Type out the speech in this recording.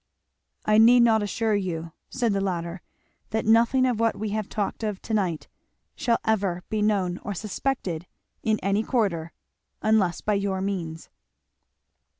"I need not assure you," said the latter, "that nothing of what we have talked of to night shall ever be known or suspected, in any quarter, unless by your means."